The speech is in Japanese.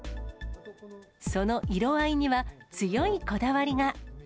その色合いには、強いこだわりが。